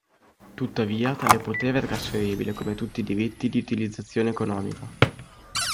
Tuttavia, tale potere è trasferibile come tutti i diritti di utilizzazione economica.